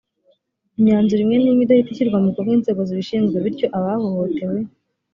imyanzuro imwe n imwe idahita ishyirwa mu bikorwa n inzego zibishinzwe bityo abahohotewe